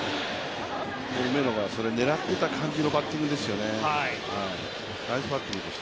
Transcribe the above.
梅野がそれ、狙ってた感じのバッティングですよね。